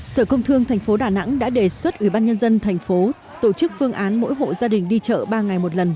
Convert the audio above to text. sở công thương tp đà nẵng đã đề xuất ủy ban nhân dân tp tổ chức phương án mỗi hộ gia đình đi chợ ba ngày một lần